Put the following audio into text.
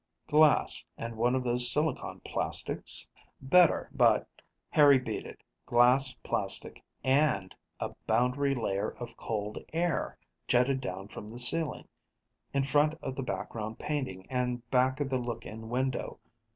Glass and one of those silicon plastics? Better, but Harry beat it: glass, plastic, and a boundary layer of cold air, jetted down from the ceiling, in front of the background painting and back of the look in window.